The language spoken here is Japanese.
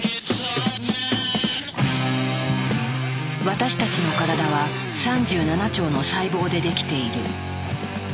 私たちのからだは３７兆の細胞でできている。